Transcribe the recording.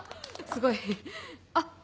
すごいあっ！